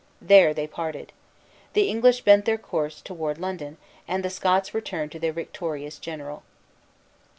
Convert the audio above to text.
There they parted. The English bent their course toward London, and the Scots returned to their victorious general.